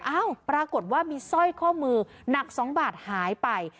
เอ้าปรากฏว่ามีสร้อยข้อมือหนัก๒บาทหายไป